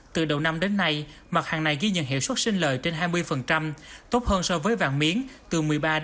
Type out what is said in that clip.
từ đầu năm đến nay mặt hàng này ghi nhận hiệu suất sinh lời trên hai mươi tốt hơn so với vàng miếng từ một mươi ba một mươi